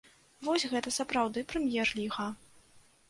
Вось гэта сапраўды прэм'ер-ліга!